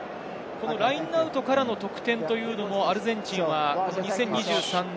ラインアウトからの得点もアルゼンチンは２０２３年。